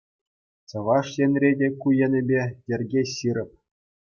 Чӑваш Енре те ку енӗпе йӗрке ҫирӗп.